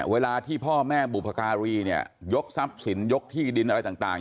เวลาที่พ่อแม่บุพการีเนี่ยยกทรัพย์สินยกที่ดินอะไรต่าง